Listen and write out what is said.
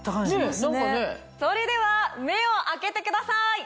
それでは目を開けてください。